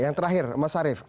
yang terakhir mas arief